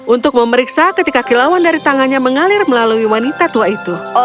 untuk memeriksa ketika kilauan dari tangannya mengalir melalui wanita tua itu